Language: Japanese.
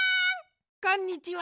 こんにちは！